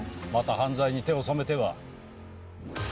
また犯罪に手を染めては。